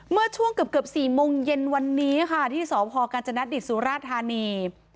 เมื่อช่วงเกือบเกือบสี่โมงเย็นวันนี้ค่ะที่สพกนสุราธารณี